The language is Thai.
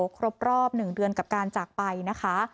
ครบรอบหนึ่งเดือนกับการจักรไปนะคะ